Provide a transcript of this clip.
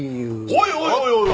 おいおいおいおい！